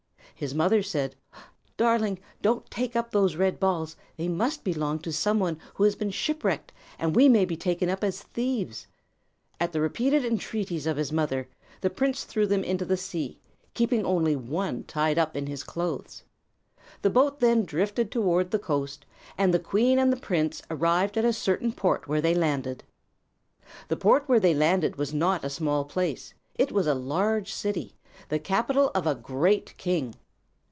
His mother said, "Darling, don't take up those red balls; they must belong to somebody who has been shipwrecked, and we may be taken up as thieves." At the repeated entreaties of his mother, the prince threw them into the sea, keeping only one tied up in his clothes. The boat then drifted toward the coast, and the queen and the prince arrived at a certain port where they landed. The port where they landed was not a small place; it was a large city, the capital of a great king.